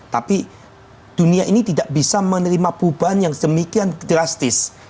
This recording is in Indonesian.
tapi dunia ini tidak bisa menerima perubahan yang sedemikian drastis